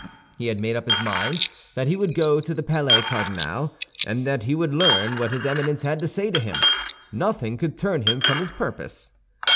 He had made up his mind that he would go to the Palais Cardinal, and that he would learn what his Eminence had to say to him. Nothing could turn him from his purpose.